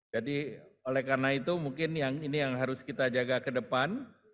jadi oleh karena itu mungkin ini yang harus kita jaga ke depan